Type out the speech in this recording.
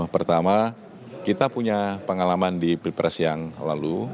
pertama kita punya pengalaman di pilpres yang lalu